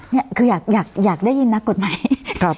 เนี้ยคืออยากได้ยินนะกฎหมายครับ